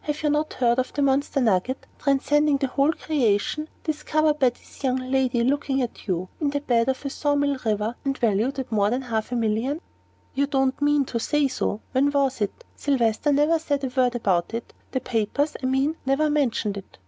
Have you not heard of the monster nugget, transcending the whole of creation, discovered by this young lady looking at you, in the bed of the saw mill river, and valued at more than half a million?" "You don't mean to say so? When was it? Sylvester never said a word about it the papers, I mean, never mentioned it."